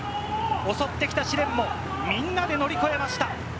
襲ってきた試練もみんなで乗り越えました。